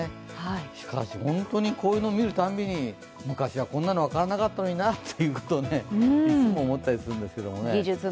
しかし本当にこういうのを見るたんびに、昔はこういうの分からなかったのになといつも思ったりするんですけどね。